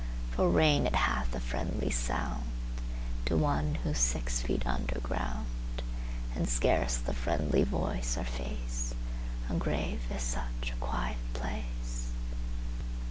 For rain it hath a friendly soundTo one who's six feet under ground; And scarce the friendly voice or face:A grave is such a quiet place.